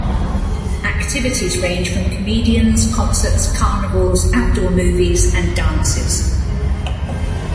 Activities range from comedians, concerts, carnivals, outdoor movies and dances.